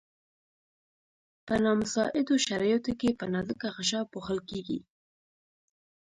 په نامساعدو شرایطو کې په نازکه غشا پوښل کیږي.